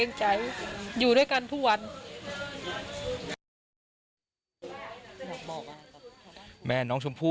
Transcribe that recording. หลังจากผู้ชมไปฟังเสียงแม่น้องชมไป